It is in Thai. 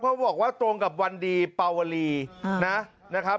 บอกว่าตรงกับวันดีปาวลีนะครับ